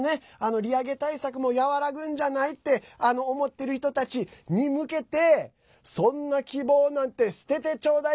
利上げ対策も和らぐんじゃない？って思ってる人たちに向けてそんな希望なんて捨ててちょうだい！